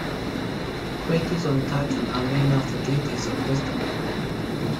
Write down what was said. Craters on Titan are named after deities of wisdom.